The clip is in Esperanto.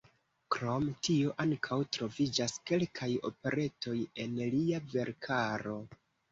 Krom tio ankaŭ troviĝas kelkaj operetoj en lia verkaro.